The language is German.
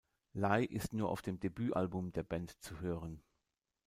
Lay ist nur auf dem Debütalbum der Band zu hören.